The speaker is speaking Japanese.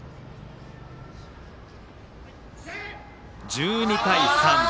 １２対３。